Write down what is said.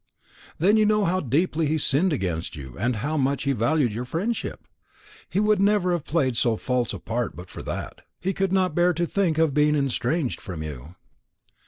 "Then you know how deeply he sinned against you, and how much he valued your friendship? He would never have played so false a part but for that. He could not bear to think of being estranged from you."